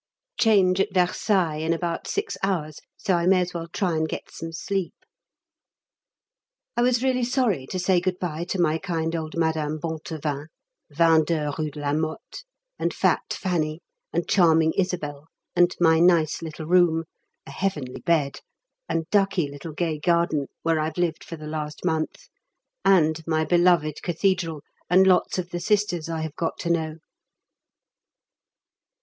Change at Versailles in about six hours, so I may as well try and get some sleep. I was really sorry to say good bye to my kind old Madame Bontevin, 22 Rue de la Motte, and fat Fanny, and charming Isabel, and my nice little room (a heavenly bed!) and ducky little gay garden, where I've lived for the last month; and my beloved Cathedral, and lots of the Sisters I have got to know.